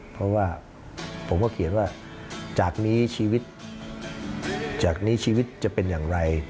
เพราะว่าผมเขียนว่าจากนี้ชีวิตจะเป็นอย่างไร